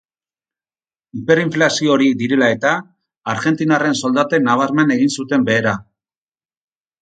Hiperinflazio horiek direla eta, argentinarren soldatek nabarmen egin zuten behera.